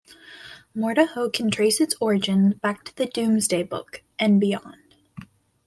Mortehoe can trace its origins back to the Domesday Book, and beyond.